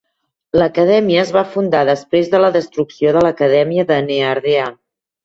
L'acadèmia es va fundar després de la destrucció de l'acadèmia de Nehardea.